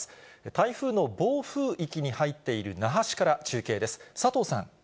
台風の暴風域に入っている那覇市から中継です。